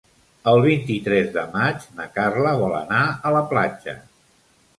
El vint-i-tres de maig na Carla vol anar a la platja.